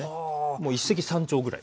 もう一石三鳥ぐらいですよね。